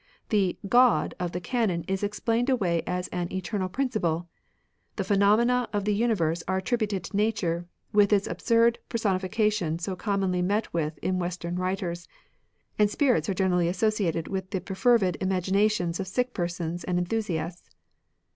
The "God" of the Canon is explained away as an " Eternal Principle ;" the phenomena of the universe are attributed to Nature, with its absurd personi fication so commonly met with in Western writers ; and spirits generally are associated with the perfervid imaginations of sick persons and enthusiasts.